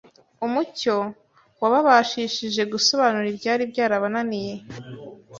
umucyo wababashishije gusobanura ibyari byarabananiye